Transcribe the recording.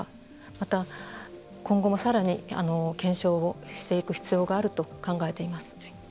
また、今後もさらに検証をしていく必要があると考えています。